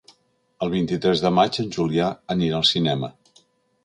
El vint-i-tres de maig en Julià anirà al cinema.